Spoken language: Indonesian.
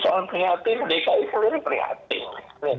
soal prihatin dki sendiri prihatin